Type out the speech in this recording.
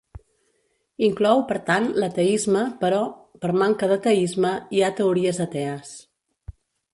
Inclou, per tant, l'ateisme, però, per manca d'ateisme, hi ha teories atees.